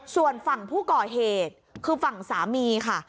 ส่วนฝั่งผู้ก่อเหตุคือฝั่งสามีค่ะ